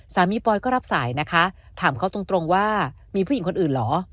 ปอยก็รับสายนะคะถามเขาตรงว่ามีผู้หญิงคนอื่นเหรอ